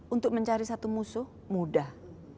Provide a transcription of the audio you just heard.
untuk mencari satu musuh mudah